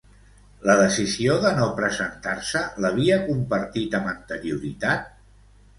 La decisió de no presentar-se l'havia compartit amb anterioritat?